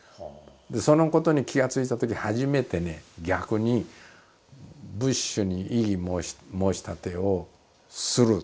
そのことに気が付いたとき初めてね逆にブッシュに異議申し立てをする。